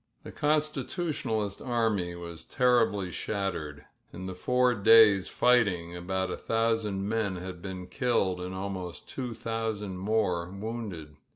The Constitutionalist army was terriUy shattered, the four days' fighting about a thousand men had I IdDed and afanost two thousand more wounded.